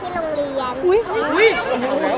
ชอบผู้ชายที่โรงเรียน